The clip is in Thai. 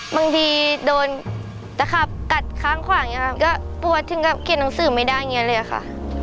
บางทีโดนตะขับกัดข้างขวาอย่างนี้ค่ะก็ปวดถึงกับเขียนหนังสือไม่ได้อย่างนี้เลยค่ะ